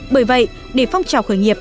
bởi vậy để phong trào khởi nghiệp